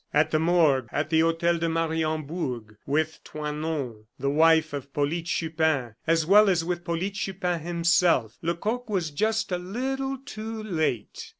At the morgue, at the Hotel de Mariembourg, with Toinon, the wife of Polyte Chupin, as well as with Polyte Chupin himself, Lecoq was just a little too late.